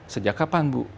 sejak kapan bu